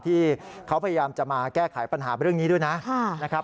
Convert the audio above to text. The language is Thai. ที่เขาพยายามจะมาแก้ไขปัญหาเรื่องนี้ด้วยนะครับ